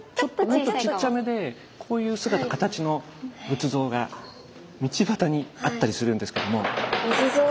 もっとちっちゃめでこういう姿形の仏像が道端にあったりするんですけども。